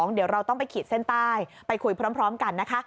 เดี๋ยวเราต้องไปขีดเส้นใต้ไปคุยพร้อมกันนะคะ